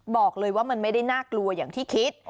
บอกเลยว่ามันไม่ได้น่ากลัวอย่างที่คิด